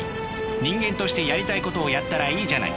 人間としてやりたいことをやったらいいじゃないか。